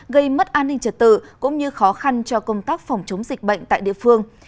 gây mất an ninh trật tự cũng như khó khăn cho công tác phòng chống dịch bệnh tại địa phương